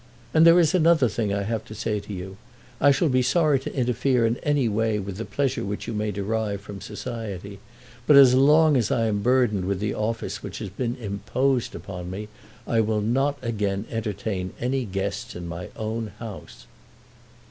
And there is another thing I have to say to you. I shall be sorry to interfere in any way with the pleasure which you may derive from society, but as long as I am burdened with the office which has been imposed upon me, I will not again entertain any guests in my own house."